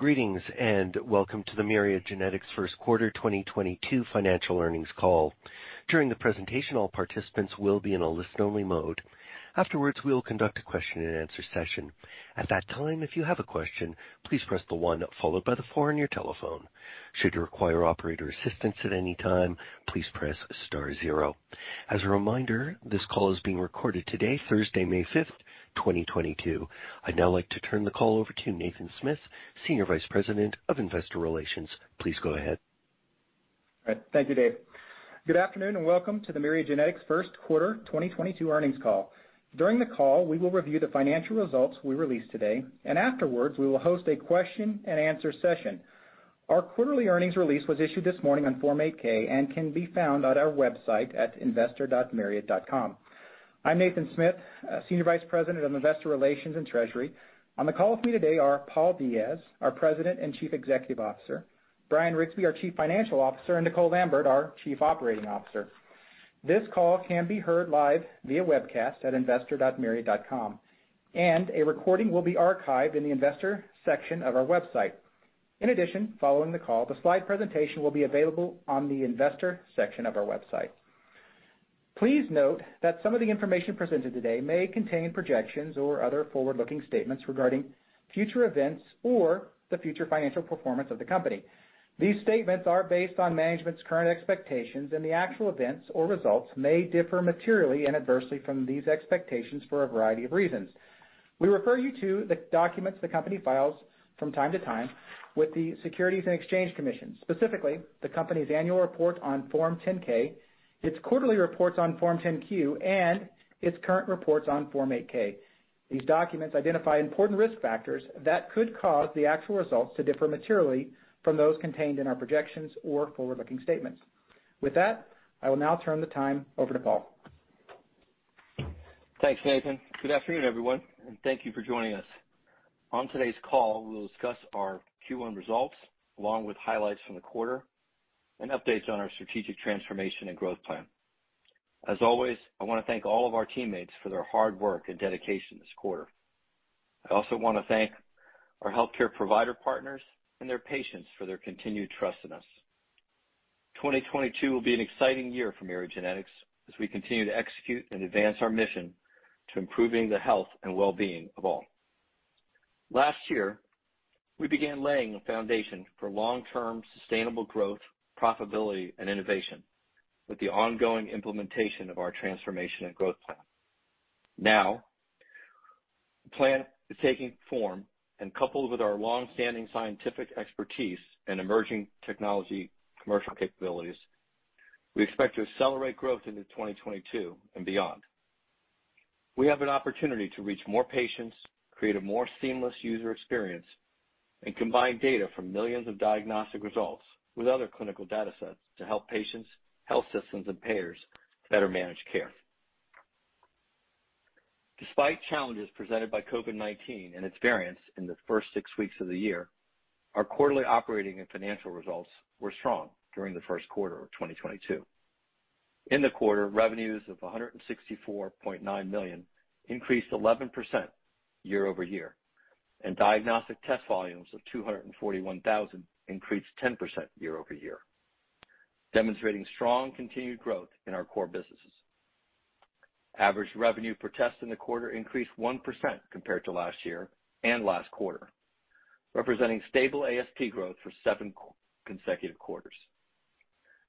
Greetings, and welcome to the Myriad Genetics first quarter 2022 financial earnings call. During the presentation, all participants will be in a listen-only mode. Afterwards, we will conduct a question and answer session. At that time, if you have a question, please press the one followed by the four on your telephone. Should you require operator assistance at any time, please press star zero. As a reminder, this call is being recorded today, Thursday, May 5, 2022. I'd now like to turn the call over to Nathan Smith, Senior Vice President of Investor Relations. Please go ahead. All right. Thank you, Dave. Good afternoon, and welcome to the Myriad Genetics first quarter 2022 earnings call. During the call, we will review the financial results we released today, and afterwards, we will host a question and answer session. Our quarterly earnings release was issued this morning on Form 8-K and can be found on our website at investor.myriad.com. I'm Nathan Smith, Senior Vice President of Investor Relations and Treasury. On the call with me today are Paul Diaz, our President and Chief Executive Officer, Bryan Riggsbee, our Chief Financial Officer, and Nicole Lambert, our Chief Operating Officer. This call can be heard live via webcast at investor.myriad.com, and a recording will be archived in the investor section of our website. In addition, following the call, the slide presentation will be available on the investor section of our website. Please note that some of the information presented today may contain projections or other forward-looking statements regarding future events or the future financial performance of the company. These statements are based on management's current expectations, and the actual events or results may differ materially and adversely from these expectations for a variety of reasons. We refer you to the documents the company files from time to time with the Securities and Exchange Commission, specifically the company's annual report on Form 10-K, its quarterly reports on Form 10-Q, and its current reports on Form 8-K. These documents identify important risk factors that could cause the actual results to differ materially from those contained in our projections or forward-looking statements. With that, I will now turn the time over to Paul. Thanks, Nathan. Good afternoon, everyone, and thank you for joining us. On today's call, we will discuss our Q1 results, along with highlights from the quarter and updates on our strategic transformation and growth plan. As always, I wanna thank all of our teammates for their hard work and dedication this quarter. I also wanna thank our healthcare provider partners and their patients for their continued trust in us. 2022 will be an exciting year for Myriad Genetics as we continue to execute and advance our mission to improving the health and well-being of all. Last year, we began laying a foundation for long-term sustainable growth, profitability, and innovation with the ongoing implementation of our transformation and growth plan. Now, the plan is taking form, and coupled with our longstanding scientific expertise and emerging technology commercial capabilities, we expect to accelerate growth into 2022 and beyond. We have an opportunity to reach more patients, create a more seamless user experience, and combine data from millions of diagnostic results with other clinical datasets to help patients, health systems, and payers better manage care. Despite challenges presented by COVID-19 and its variants in the first six weeks of the year, our quarterly operating and financial results were strong during the first quarter of 2022. In the quarter, revenues of $164.9 million increased 11% year-over-year, and diagnostic test volumes of 241,000 increased 10% year-over-year, demonstrating strong continued growth in our core businesses. Average revenue per test in the quarter increased 1% compared to last year and last quarter, representing stable ASP growth for seven consecutive quarters.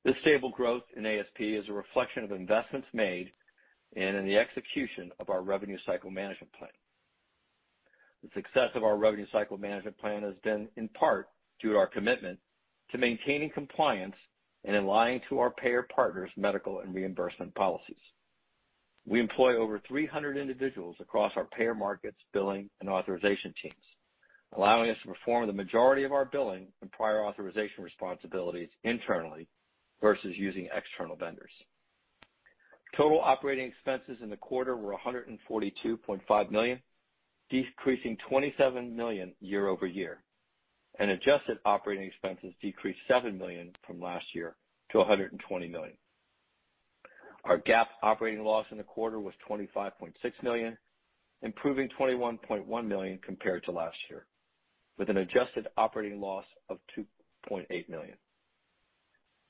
This stable growth in ASP is a reflection of investments made and in the execution of our revenue cycle management plan. The success of our revenue cycle management plan has been, in part, due to our commitment to maintaining compliance and in line to our payer partners' medical and reimbursement policies. We employ over 300 individuals across our payer markets, billing, and authorization teams, allowing us to perform the majority of our billing and prior authorization responsibilities internally versus using external vendors. Total operating expenses in the quarter were $142.5 million, decreasing $27 million year-over-year, and adjusted operating expenses decreased $7 million from last year to $120 million. Our GAAP operating loss in the quarter was $25.6 million, improving $21.1 million compared to last year, with an adjusted operating loss of $2.8 million.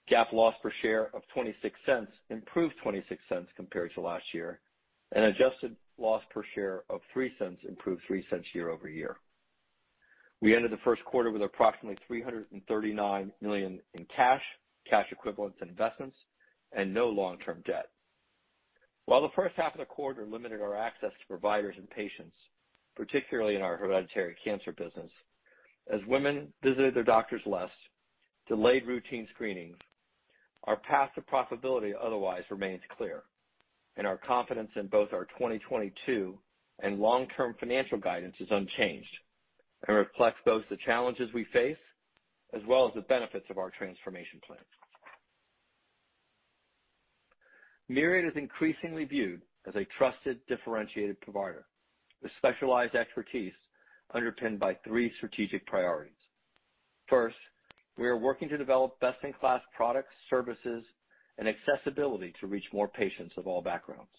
GAAP loss per share of $0.26 improved $0.26 compared to last year, and adjusted loss per share of $0.03 improved $0.03 year over year. We ended the first quarter with approximately $339 million in cash equivalents, and investments, and no long-term debt. While the first half of the quarter limited our access to providers and patients, particularly in our hereditary cancer business, as women visited their doctors less, delayed routine screenings, our path to profitability otherwise remains clear, and our confidence in both our 2022 and long-term financial guidance is unchanged and reflects both the challenges we face as well as the benefits of our transformation plan. Myriad is increasingly viewed as a trusted, differentiated provider with specialized expertise underpinned by three strategic priorities. First, we are working to develop best-in-class products, services, and accessibility to reach more patients of all backgrounds.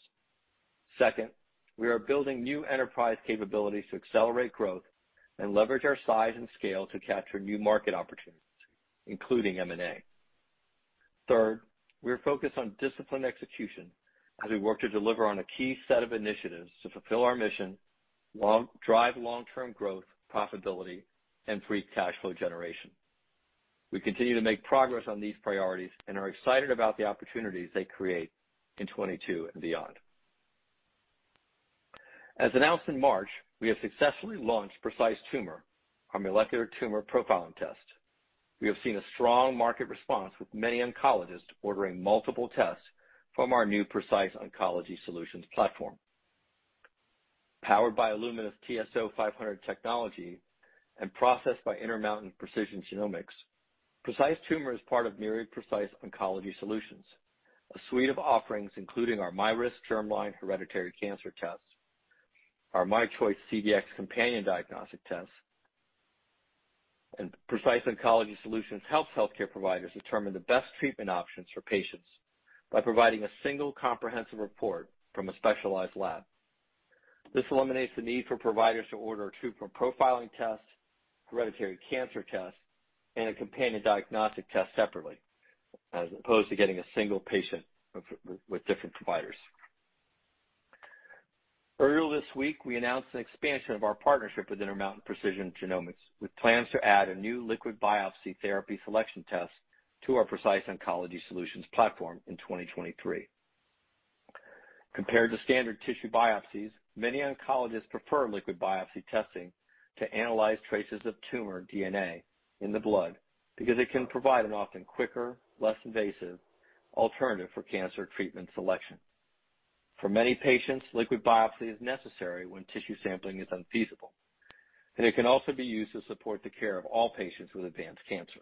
Second, we are building new enterprise capabilities to accelerate growth and leverage our size and scale to capture new market opportunities, including M&A. Third, we are focused on disciplined execution as we work to deliver on a key set of initiatives to fulfill our mission, long-term growth, profitability, and free cash flow generation. We continue to make progress on these priorities and are excited about the opportunities they create in 2022 and beyond. As announced in March, we have successfully launched Precise Tumor, our molecular tumor profiling test. We have seen a strong market response with many oncologists ordering multiple tests from our new Precise Oncology Solutions platform. Powered by Illumina's TSO 500 technology and processed by Intermountain Precision Genomics, Precise Tumor is part of Myriad Precise Oncology Solutions, a suite of offerings including our myRisk germline hereditary cancer tests, our myChoice CDx companion diagnostic tests, and Precise Oncology Solutions helps healthcare providers determine the best treatment options for patients by providing a single comprehensive report from a specialized lab. This eliminates the need for providers to order a tumor profiling test, hereditary cancer test, and a companion diagnostic test separately, as opposed to getting a single patient with different providers. Earlier this week, we announced an expansion of our partnership with Intermountain Precision Genomics, with plans to add a new liquid biopsy therapy selection test to our Precise Oncology Solutions platform in 2023. Compared to standard tissue biopsies, many oncologists prefer liquid biopsy testing to analyze traces of tumor DNA in the blood because it can provide an often quicker, less invasive alternative for cancer treatment selection. For many patients, liquid biopsy is necessary when tissue sampling is unfeasible, and it can also be used to support the care of all patients with advanced cancer.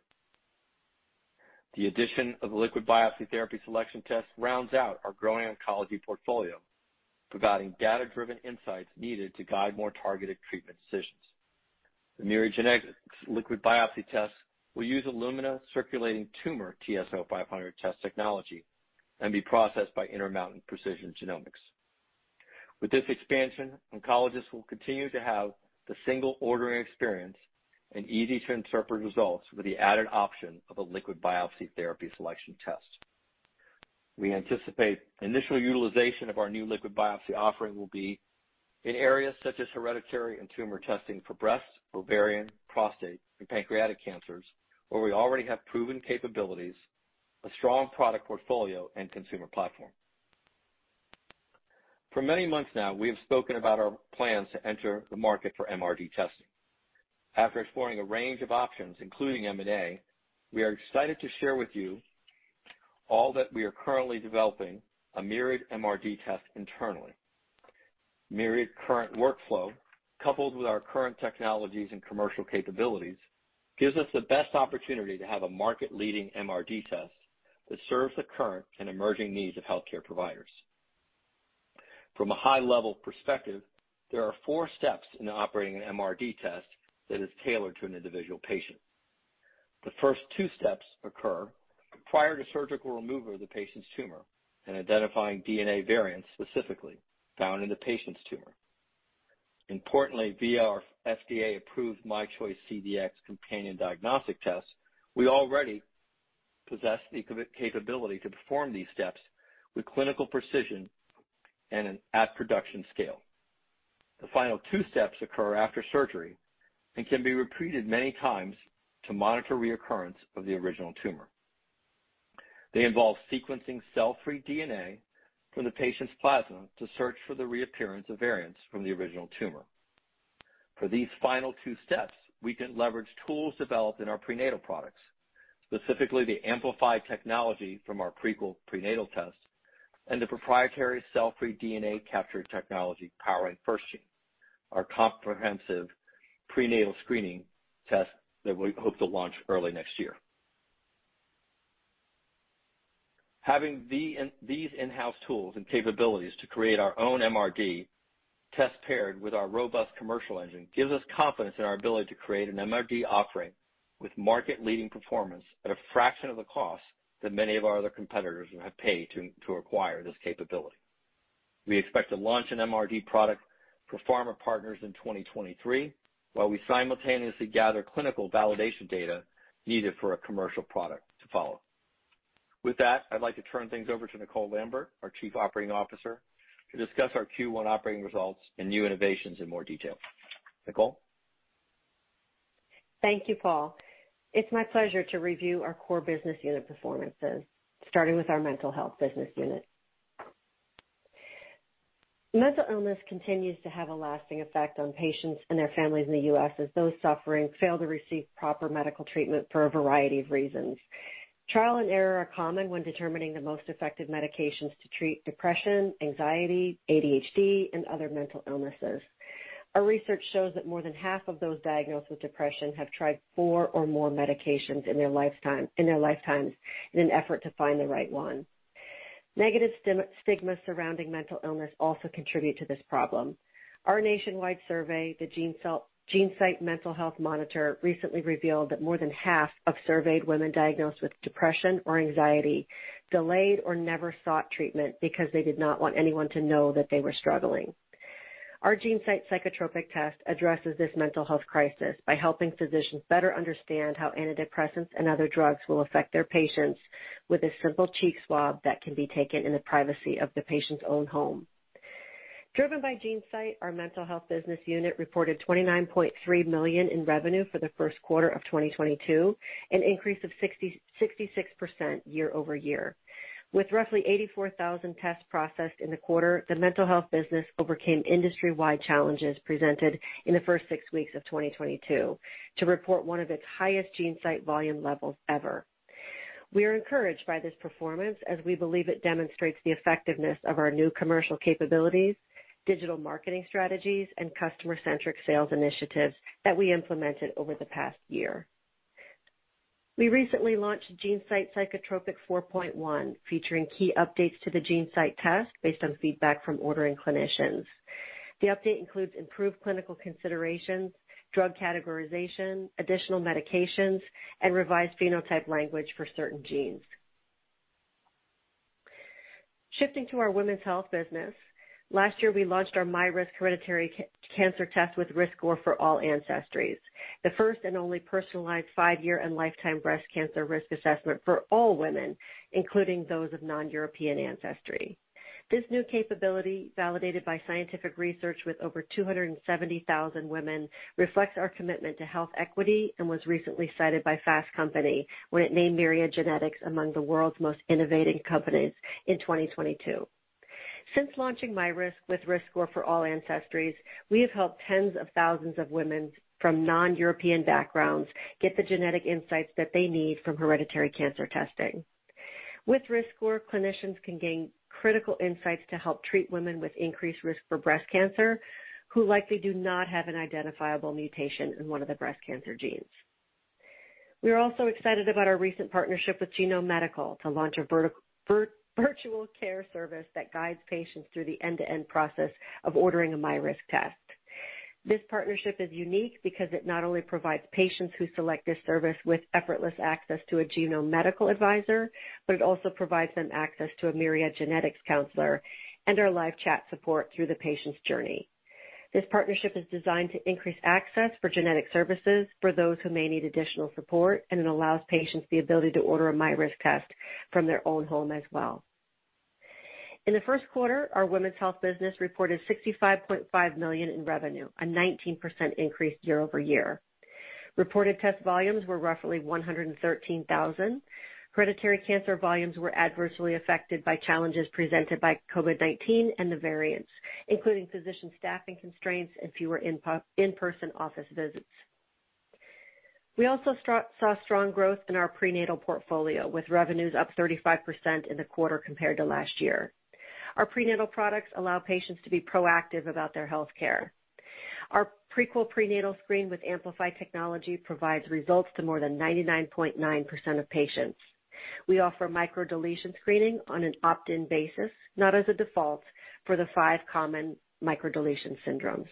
The addition of the liquid biopsy therapy selection test rounds out our growing oncology portfolio, providing data-driven insights needed to guide more targeted treatment decisions. The Myriad Genetics liquid biopsy test will use Illumina circulating tumor TSO 500 test technology and be processed by Intermountain Precision Genomics. With this expansion, oncologists will continue to have the single ordering experience and easy-to-interpret results with the added option of a liquid biopsy therapy selection test. We anticipate initial utilization of our new liquid biopsy offering will be in areas such as hereditary and tumor testing for breast, ovarian, prostate, and pancreatic cancers, where we already have proven capabilities, a strong product portfolio, and consumer platform. For many months now, we have spoken about our plans to enter the market for MRD testing. After exploring a range of options, including M&A, we are excited to share with you all that we are currently developing a Myriad MRD test internally. Myriad's current workflow, coupled with our current technologies and commercial capabilities, gives us the best opportunity to have a market-leading MRD test that serves the current and emerging needs of healthcare providers. From a high-level perspective, there are four steps in operating an MRD test that is tailored to an individual patient. The first two steps occur prior to surgical removal of the patient's tumor and identifying DNA variants specifically found in the patient's tumor. Importantly, via our FDA-approved MyChoice CDx companion diagnostic test, we already possess the capability to perform these steps with clinical precision and at production scale. The final two steps occur after surgery and can be repeated many times to monitor reoccurrence of the original tumor. They involve sequencing cell-free DNA from the patient's plasma to search for the reappearance of variants from the original tumor. For these final two steps, we can leverage tools developed in our prenatal products, specifically the AMPLIFY technology from our Prequel prenatal test and the proprietary cell-free DNA capture technology powering FirstGene, our comprehensive prenatal screening test that we hope to launch early next year. Having these in-house tools and capabilities to create our own MRD test paired with our robust commercial engine gives us confidence in our ability to create an MRD offering with market-leading performance at a fraction of the cost that many of our other competitors have paid to acquire this capability. We expect to launch an MRD product for pharma partners in 2023, while we simultaneously gather clinical validation data needed for a commercial product to follow. With that, I'd like to turn things over to Nicole Lambert, our Chief Operating Officer, to discuss our Q1 operating results and new innovations in more detail. Nicole? Thank you, Paul. It's my pleasure to review our core business unit performances, starting with our mental health business unit. Mental illness continues to have a lasting effect on patients and their families in the U.S. as those suffering fail to receive proper medical treatment for a variety of reasons. Trial and error are common when determining the most effective medications to treat depression, anxiety, ADHD, and other mental illnesses. Our research shows that more than half of those diagnosed with depression have tried four or more medications in their lifetimes in an effort to find the right one. Negative stigma surrounding mental illness also contribute to this problem. Our nationwide survey, the GeneSight Mental Health Monitor, recently revealed that more than half of surveyed women diagnosed with depression or anxiety delayed or never sought treatment because they did not want anyone to know that they were struggling. Our GeneSight Psychotropic test addresses this mental health crisis by helping physicians better understand how antidepressants and other drugs will affect their patients with a simple cheek swab that can be taken in the privacy of the patient's own home. Driven by GeneSight, our mental health business unit reported $29.3 million in revenue for the first quarter of 2022, an increase of 66% year-over-year. With roughly 84,000 tests processed in the quarter, the mental health business overcame industry-wide challenges presented in the first six weeks of 2022 to report one of its highest GeneSight volume levels ever. We are encouraged by this performance as we believe it demonstrates the effectiveness of our new commercial capabilities, digital marketing strategies, and customer-centric sales initiatives that we implemented over the past year. We recently launched GeneSight Psychotropic 4.1, featuring key updates to the GeneSight test based on feedback from ordering clinicians. The update includes improved clinical considerations, drug categorization, additional medications, and revised phenotype language for certain genes. Shifting to our women's health business, last year, we launched our myRisk Hereditary Cancer test with risk score for all ancestries, the first and only personalized five-year and lifetime breast cancer risk assessment for all women, including those of non-European ancestry. This new capability, validated by scientific research with over 270,000 women, reflects our commitment to health equity and was recently cited by Fast Company when it named Myriad Genetics among the world's most innovative companies in 2022. Since launching myRisk with risk score for all ancestries, we have helped tens of thousands of women from non-European backgrounds get the genetic insights that they need from hereditary cancer testing. With risk score, clinicians can gain critical insights to help treat women with increased risk for breast cancer, who likely do not have an identifiable mutation in one of the breast cancer genes. We are also excited about our recent partnership with Genome Medical to launch a virtual care service that guides patients through the end-to-end process of ordering a myRisk test. This partnership is unique because it not only provides patients who select this service with effortless access to a Genome Medical advisor, but it also provides them access to a Myriad Genetics counselor and our live chat support through the patient's journey. This partnership is designed to increase access for genetic services for those who may need additional support, and it allows patients the ability to order a myRisk test from their own home as well. In the first quarter, our women's health business reported $65.5 million in revenue, a 19% increase year-over-year. Reported test volumes were roughly 113,000. Hereditary cancer volumes were adversely affected by challenges presented by COVID-19 and the variants, including physician staffing constraints and fewer in-person office visits. We also saw strong growth in our prenatal portfolio, with revenues up 35% in the quarter compared to last year. Our prenatal products allow patients to be proactive about their healthcare. Our Prequel prenatal screen with Amplify technology provides results to more than 99.9% of patients. We offer microdeletion screening on an opt-in basis, not as a default, for the five common microdeletion syndromes.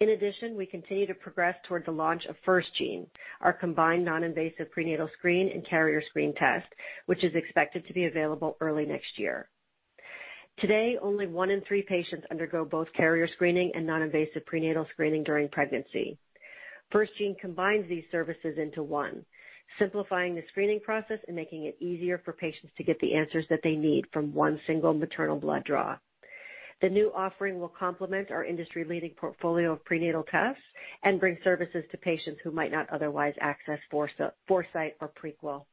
In addition, we continue to progress toward the launch of FirstGene, our combined non-invasive prenatal screen and carrier screen test, which is expected to be available early next year. Today, only one in three patients undergo both carrier screening and non-invasive prenatal screening during pregnancy. FirstGene combines these services into one, simplifying the screening process and making it easier for patients to get the answers that they need from one single maternal blood draw. The new offering will complement our industry-leading portfolio of prenatal tests and bring services to patients who might not otherwise access Foresight or Prequel.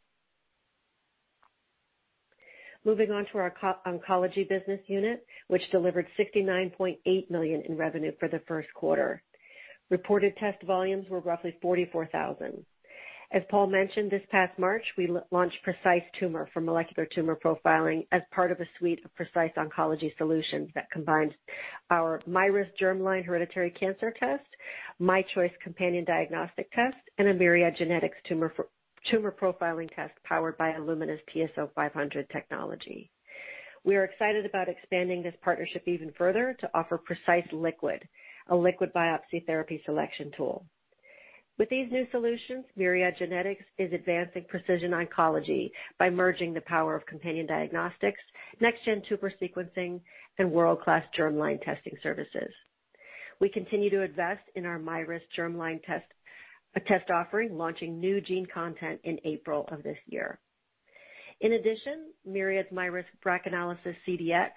Moving on to our oncology business unit, which delivered $69.8 million in revenue for the first quarter. Reported test volumes were roughly 44,000. As Paul mentioned this past March, we launched Precise Tumor for molecular tumor profiling as part of a suite of precise oncology solutions that combines our myRisk germline hereditary cancer test, myChoice companion diagnostic test, and a Myriad Genetics tumor profiling test powered by Illumina's TSO 500 technology. We are excited about expanding this partnership even further to offer Precise Liquid, a liquid biopsy therapy selection tool. With these new solutions, Myriad Genetics is advancing precision oncology by merging the power of companion diagnostics, next gen tumor sequencing, and world-class germline testing services. We continue to invest in our myRisk germline test offering, launching new gene content in April of this year. In addition, Myriad's myRisk BRACAnalysis CDx.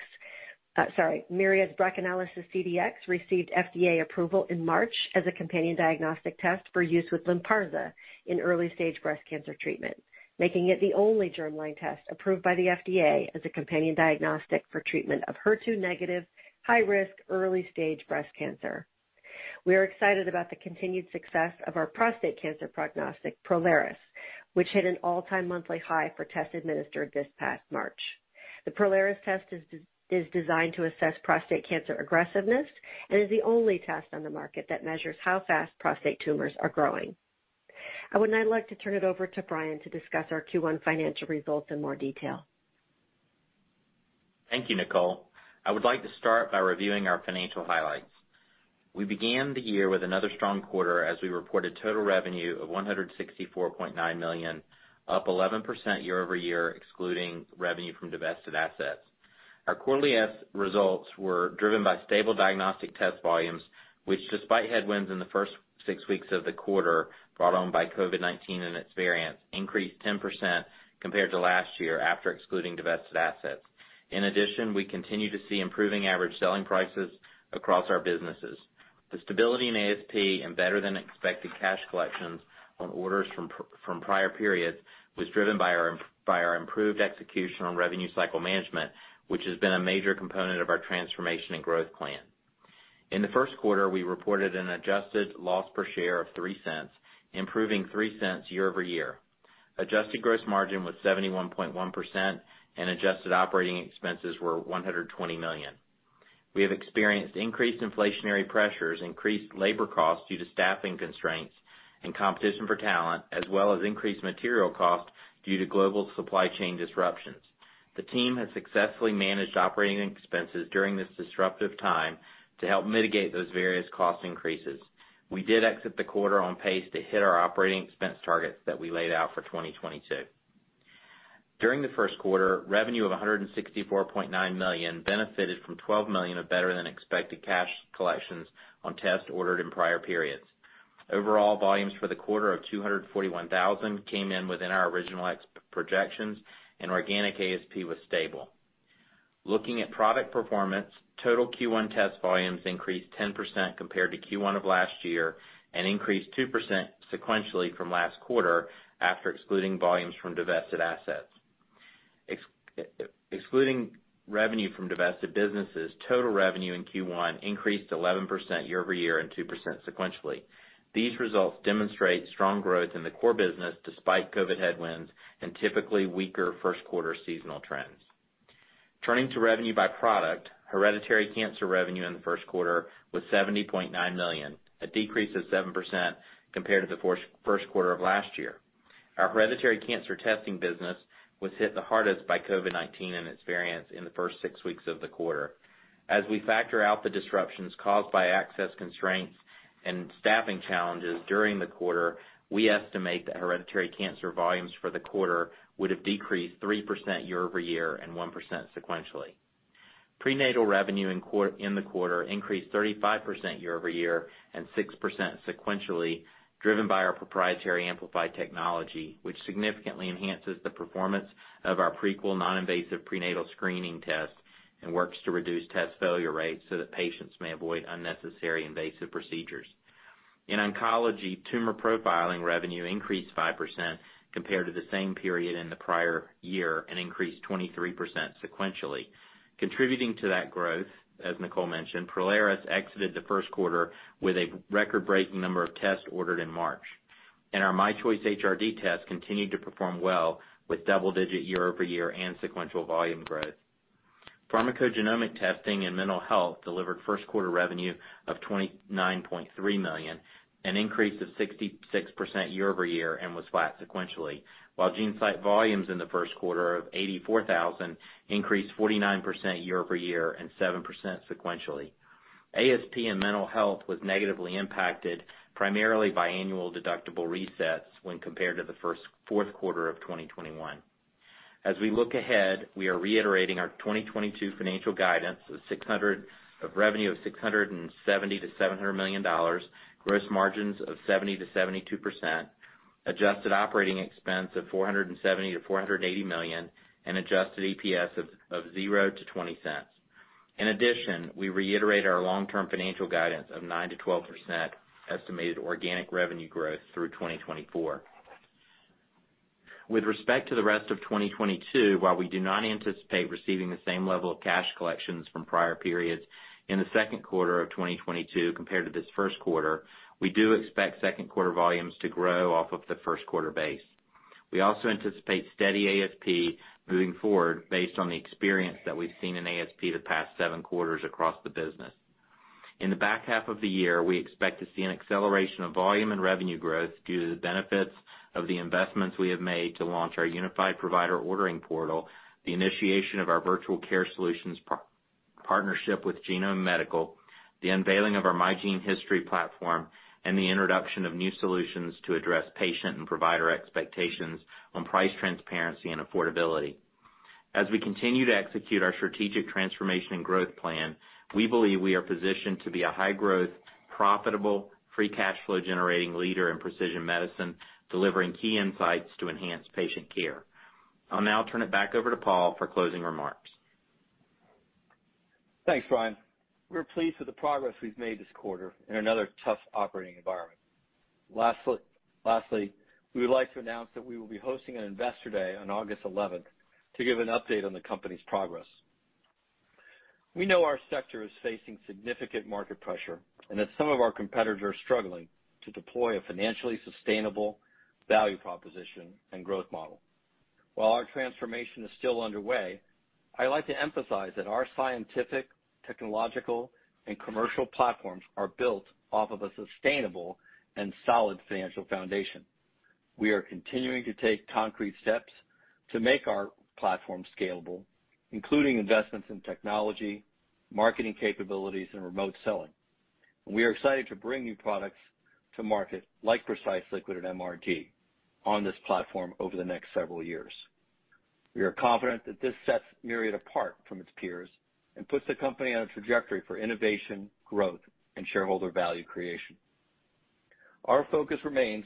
Myriad's BRACAnalysis CDx received FDA approval in March as a companion diagnostic test for use with Lynparza in early-stage breast cancer treatment, making it the only germline test approved by the FDA as a companion diagnostic for treatment of HER2 negative, high risk, early-stage breast cancer. We are excited about the continued success of our prostate cancer prognostic, Prolaris, which hit an all-time monthly high for tests administered this past March. The Prolaris test is designed to assess prostate cancer aggressiveness and is the only test on the market that measures how fast prostate tumors are growing. I would now like to turn it over to Bryan to discuss our Q1 financial results in more detail. Thank you, Nicole. I would like to start by reviewing our financial highlights. We began the year with another strong quarter as we reported total revenue of $164.9 million, up 11% year-over-year, excluding revenue from divested assets. Our quarterly results were driven by stable diagnostic test volumes, which despite headwinds in the first six weeks of the quarter brought on by COVID-19 and its variants, increased 10% compared to last year after excluding divested assets. In addition, we continue to see improving average selling prices across our businesses. The stability in ASP and better than expected cash collections on orders from prior periods was driven by our improved execution on revenue cycle management, which has been a major component of our transformation and growth plan. In the first quarter, we reported an adjusted loss per share of $0.03, improving $0.03 year-over-year. Adjusted gross margin was 71.1% and adjusted operating expenses were $120 million. We have experienced increased inflationary pressures, increased labor costs due to staffing constraints and competition for talent, as well as increased material costs due to global supply chain disruptions. The team has successfully managed operating expenses during this disruptive time to help mitigate those various cost increases. We did exit the quarter on pace to hit our operating expense targets that we laid out for 2022. During the first quarter, revenue of $164.9 million benefited from $12 million of better than expected cash collections on tests ordered in prior periods. Overall, volumes for the quarter of 241,000 came in within our original projections, and organic ASP was stable. Looking at product performance, total Q1 test volumes increased 10% compared to Q1 of last year and increased 2% sequentially from last quarter after excluding volumes from divested assets. Excluding revenue from divested businesses, total revenue in Q1 increased 11% year-over-year and 2% sequentially. These results demonstrate strong growth in the core business despite COVID headwinds and typically weaker first quarter seasonal trends. Turning to revenue by product, hereditary cancer revenue in the first quarter was $70.9 million, a decrease of 7% compared to the first quarter of last year. Our hereditary cancer testing business was hit the hardest by COVID-19 and its variants in the first six weeks of the quarter. As we factor out the disruptions caused by access constraints and staffing challenges during the quarter, we estimate that hereditary cancer volumes for the quarter would have decreased 3% year-over-year and 1% sequentially. Prenatal revenue in the quarter increased 35% year-over-year and 6% sequentially, driven by our proprietary amplified technology, which significantly enhances the performance of our Prequel non-invasive prenatal screening test and works to reduce test failure rates so that patients may avoid unnecessary invasive procedures. In oncology, tumor profiling revenue increased 5% compared to the same period in the prior year and increased 23% sequentially. Contributing to that growth, as Nicole mentioned, Prolaris exited the first quarter with a record-breaking number of tests ordered in March, and our MyChoice HRD test continued to perform well with double-digit year-over-year and sequential volume growth. Pharmacogenomic testing and mental health delivered first quarter revenue of $29.3 million, an increase of 66% year-over-year and was flat sequentially, while GeneSight volumes in the first quarter of 84,000 increased 49% year-over-year and 7% sequentially. ASP in mental health was negatively impacted primarily by annual deductible resets when compared to the fourth quarter of 2021. As we look ahead, we are reiterating our 2022 financial guidance of revenue of $670 million-$700 million, gross margins of 70%-72%, adjusted operating expense of $470 million-$480 million, and adjusted EPS of $0-$0.20. In addition, we reiterate our long-term financial guidance of 9%-12% estimated organic revenue growth through 2024. With respect to the rest of 2022, while we do not anticipate receiving the same level of cash collections from prior periods in the second quarter of 2022 compared to this first quarter, we do expect second quarter volumes to grow off of the first quarter base. We also anticipate steady ASP moving forward based on the experience that we've seen in ASP the past 7 quarters across the business. In the back half of the year, we expect to see an acceleration of volume and revenue growth due to the benefits of the investments we have made to launch our unified provider ordering portal, the initiation of our virtual care solutions partnership with Genome Medical, the unveiling of our MyGeneHistory platform, and the introduction of new solutions to address patient and provider expectations on price transparency and affordability. As we continue to execute our strategic transformation and growth plan, we believe we are positioned to be a high-growth, profitable, free cash flow generating leader in precision medicine, delivering key insights to enhance patient care. I'll now turn it back over to Paul for closing remarks. Thanks, Bryan. We're pleased with the progress we've made this quarter in another tough operating environment. Lastly, we would like to announce that we will be hosting an investor day on August eleventh to give an update on the company's progress. We know our sector is facing significant market pressure and that some of our competitors are struggling to deploy a financially sustainable value proposition and growth model. While our transformation is still underway, I'd like to emphasize that our scientific, technological, and commercial platforms are built off of a sustainable and solid financial foundation. We are continuing to take concrete steps to make our platform scalable, including investments in technology, marketing capabilities, and remote selling. We are excited to bring new products to market, like Precise Liquid and MRD, on this platform over the next several years. We are confident that this sets Myriad apart from its peers and puts the company on a trajectory for innovation, growth, and shareholder value creation. Our focus remains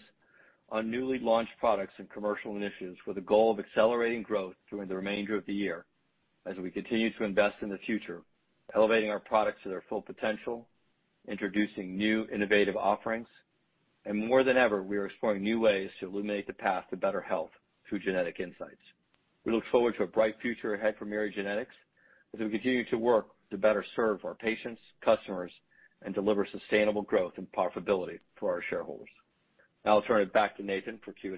on newly launched products and commercial initiatives with a goal of accelerating growth during the remainder of the year as we continue to invest in the future, elevating our products to their full potential, introducing new innovative offerings, and more than ever, we are exploring new ways to illuminate the path to better health through genetic insights. We look forward to a bright future ahead for Myriad Genetics as we continue to work to better serve our patients, customers, and deliver sustainable growth and profitability for our shareholders. Now I'll turn it back to Nathan for Q&A.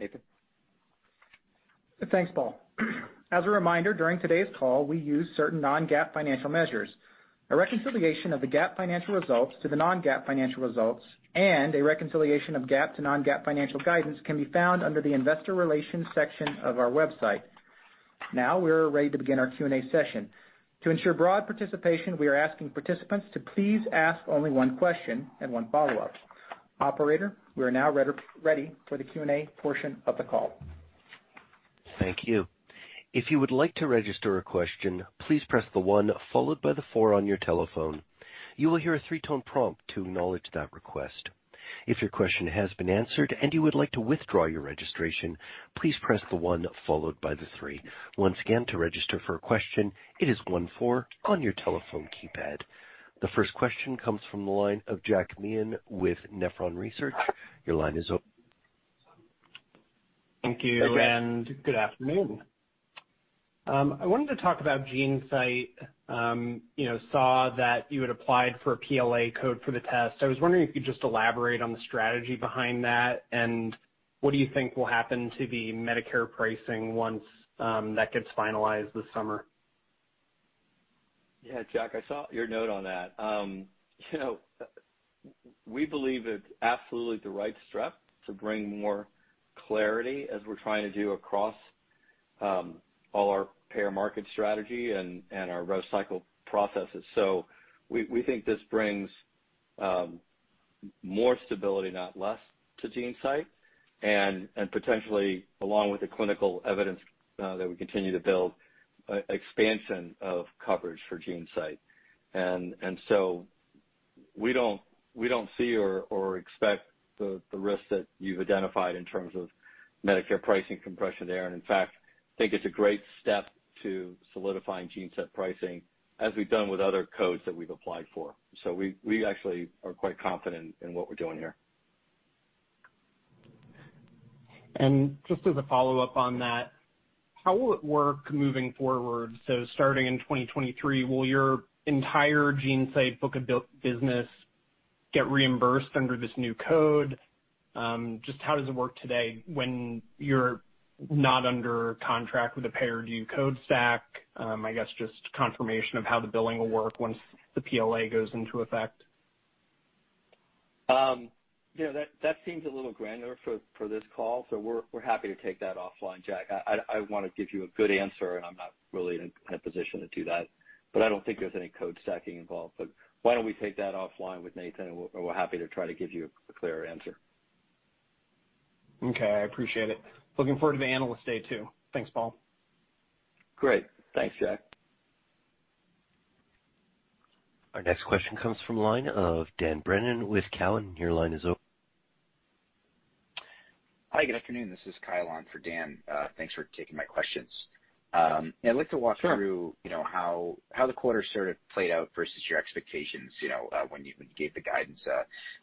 Nathan? Thanks, Paul. As a reminder, during today's call we use certain non-GAAP financial measures. A reconciliation of the GAAP financial results to the non-GAAP financial results and a reconciliation of GAAP to non-GAAP financial guidance can be found under the investor relations section of our website. Now we're ready to begin our Q&A session. To ensure broad participation, we are asking participants to please ask only one question and one follow-up. Operator, we are now ready for the Q&A portion of the call. Thank you. If you would like to register a question, please press the one followed by the four on your telephone. You will hear a three-tone prompt to acknowledge that request. If your question has been answered and you would like to withdraw your registration, please press the one followed by the three. Once again, to register for a question, it is one-four on your telephone keypad. The first question comes from the line of Jack Meehan with Nephron Research. Your line is open. Thank you. Go ahead. Good afternoon. I wanted to talk about GeneSight. You know, saw that you had applied for a PLA code for the test. I was wondering if you could just elaborate on the strategy behind that, and what do you think will happen to the Medicare pricing once that gets finalized this summer? Yeah, Jack, I saw your note on that. You know, we believe it's absolutely the right step to bring more clarity as we're trying to do across all our payer market strategy and our growth cycle processes. We think this brings more stability, not less, to GeneSight and potentially, along with the clinical evidence that we continue to build, expansion of coverage for GeneSight. We don't see or expect the risk that you've identified in terms of Medicare pricing compression there. In fact, think it's a great step to solidifying GeneSight pricing as we've done with other codes that we've applied for. We actually are quite confident in what we're doing here. Just as a follow-up on that, how will it work moving forward? Starting in 2023, will your entire GeneSight book of business get reimbursed under this new code? Just how does it work today when you're not under contract with a payer? Do you code stack? I guess just confirmation of how the billing will work once the PLA goes into effect. You know, that seems a little granular for this call, so we're happy to take that offline, Jack. I wanna give you a good answer, and I'm not really in a position to do that, but I don't think there's any code stacking involved. Why don't we take that offline with Nathan, and we're happy to try to give you a clearer answer. Okay, I appreciate it. Looking forward to the Analyst Day too. Thanks, Paul. Great. Thanks, Jack. Our next question comes from the line of Dan Brennan with Cowen. Your line is open. Hi, good afternoon. This is Kyle on for Dan. Thanks for taking my questions. Yeah, I'd like to walk through. Sure. You know, how the quarter sort of played out versus your expectations, you know, when you gave the guidance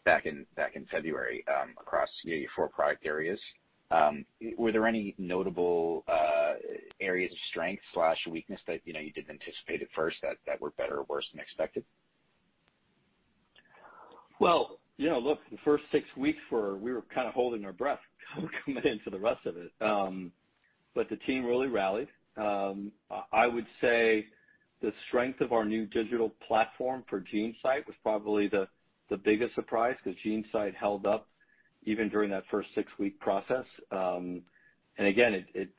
back in February across, you know, your four product areas. Were there any notable areas of strength or weakness that, you know, you didn't anticipate at first that were better or worse than expected? Well, you know, look, the first six weeks were kinda holding our breath coming in for the rest of it. The team really rallied. I would say the strength of our new digital platform for GeneSight was probably the biggest surprise, 'cause GeneSight held up even during that first six-week process. Again, it.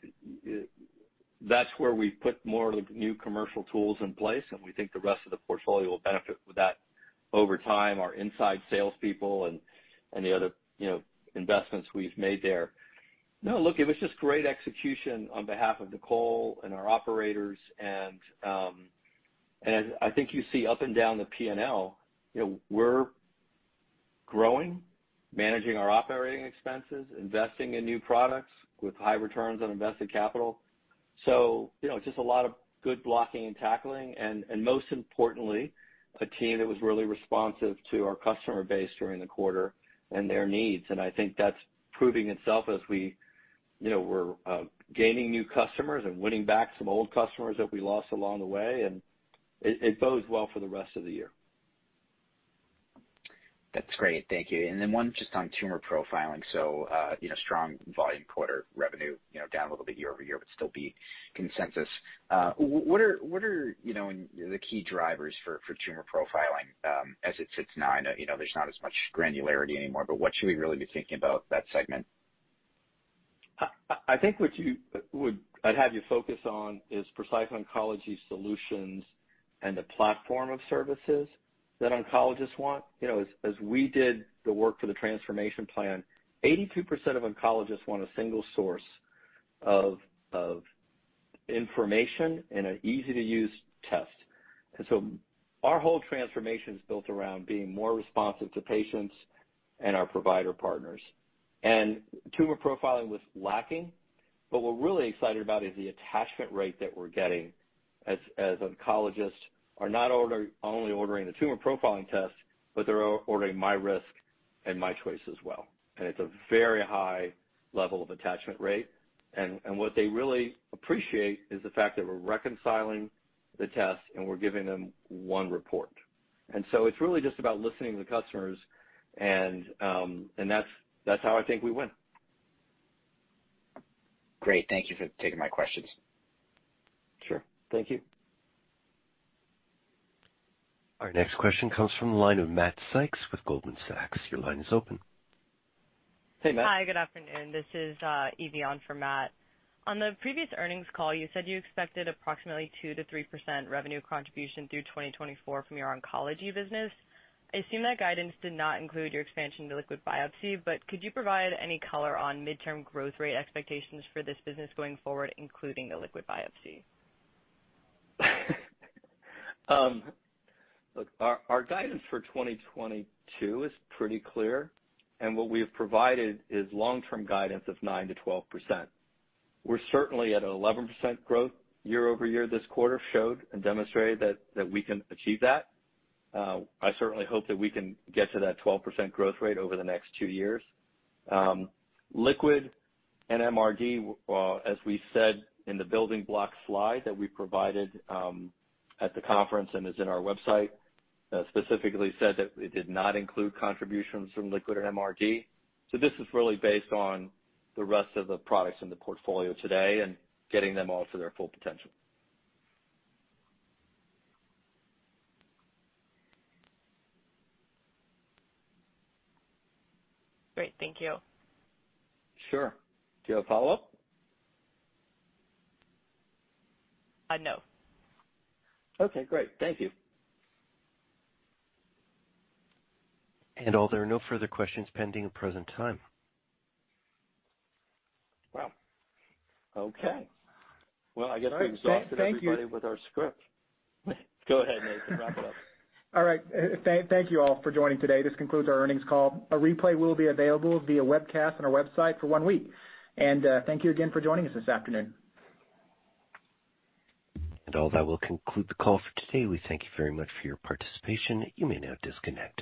That's where we put more new commercial tools in place, and we think the rest of the portfolio will benefit with that over time, our inside salespeople and the other, you know, investments we've made there. No, look, it was just great execution on behalf of Nicole and our operators, and I think you see up and down the P&L, you know, we're growing, managing our operating expenses, investing in new products with high returns on invested capital. you know, just a lot of good blocking and tackling, and most importantly, a team that was really responsive to our customer base during the quarter and their needs. I think that's proving itself as we, you know, we're gaining new customers and winning back some old customers that we lost along the way, and it bodes well for the rest of the year. That's great. Thank you. One just on tumor profiling. Strong volume quarter revenue, down a little bit year-over-year, but still beat consensus. What are the key drivers for tumor profiling, as it sits now? I know, there's not as much granularity anymore, but what should we really be thinking about that segment? I think what I'd have you focus on is Precise Oncology Solutions and the platform of services that oncologists want. You know, as we did the work for the transformation plan, 82% of oncologists want a single source of information in an easy-to-use test. Our whole transformation is built around being more responsive to patients and our provider partners. Tumor profiling was lacking, but what we're really excited about is the attachment rate that we're getting as oncologists are not only ordering the tumor profiling test, but they're ordering myRisk and myChoice as well. It's a very high level of attachment rate. What they really appreciate is the fact that we're reconciling the test, and we're giving them one report. It's really just about listening to customers and that's how I think we win. Great. Thank you for taking my questions. Sure. Thank you. Our next question comes from the line of Matt Sykes with Goldman Sachs. Your line is open. Hey, Matt. Hi, good afternoon. This is Evie on for Matt. On the previous earnings call, you said you expected approximately 2%-3% revenue contribution through 2024 from your oncology business. I assume that guidance did not include your expansion to liquid biopsy, but could you provide any color on midterm growth rate expectations for this business going forward, including the liquid biopsy? Look, our guidance for 2022 is pretty clear, and what we have provided is long-term guidance of 9%-12%. We're certainly at 11% growth year-over-year. This quarter showed and demonstrated that we can achieve that. I certainly hope that we can get to that 12% growth rate over the next two years. Liquid and MRD, as we said in the building block slide that we provided at the conference and is in our website, specifically said that it did not include contributions from liquid or MRD. This is really based on the rest of the products in the portfolio today and getting them all to their full potential. Great. Thank you. Sure. Do you have a follow-up? No. Okay, great. Thank you. All, there are no further questions pending at present time. Wow. Okay. Well, I guess we exhausted everybody with our script. Go ahead, Nathan, wrap it up. All right. Thank you all for joining today. This concludes our earnings call. A replay will be available via webcast on our website for one week. Thank you again for joining us this afternoon. That will conclude the call for today. We thank you very much for your participation. You may now disconnect.